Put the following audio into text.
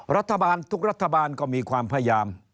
รัฐบาลทุกรัฐบาลก็มีความพยายาม